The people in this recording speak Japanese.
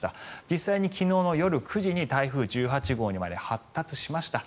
実際に昨日の夜９時に台風１８号にまで発達しました。